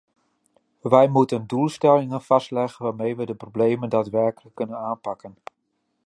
Wij moeten doelstellingen vastleggen waarmee we de problemen daadwerkelijk kunnen aanpakken.